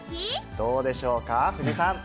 どうでしょうか、藤井さん。